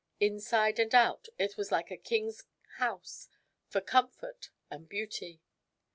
Inside and out, it was like a king's house for comfort and beauty.